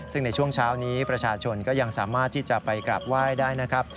ซึ่งในช่วงเช้านี้ประชาชนก็ยังสามารถที่จะไปกราบไหว้ได้นะครับ